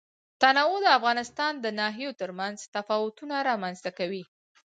تنوع د افغانستان د ناحیو ترمنځ تفاوتونه رامنځ ته کوي.